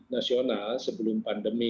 nasional sebelum pandemi